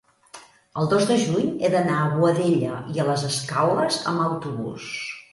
el dos de juny he d'anar a Boadella i les Escaules amb autobús.